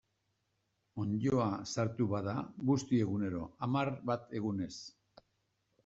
Onddoa sartu bada, busti egunero, hamar bat egunez.